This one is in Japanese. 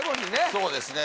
そうですね